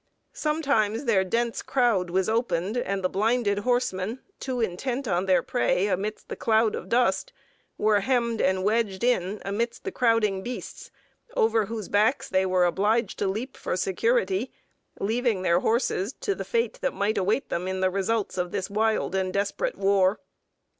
Sometimes their dense crowd was opened, and the blinded horsemen, too intent on their prey amidst the cloud of dust, were hemmed and wedged in amidst the crowding beasts, over whose backs they were obliged to leap for security, leaving their horses to the fate that might await them in the results of this wild and desperate war.